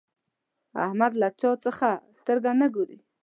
احمد له هيچا څځه سترګه نه کوي.